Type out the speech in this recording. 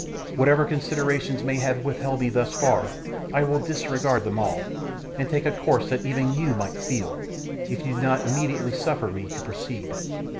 Whatever considerations may have withheld me thus far, I will disregard them all, and take a course that even YOU might feel, if you do not immediately suffer me to proceed.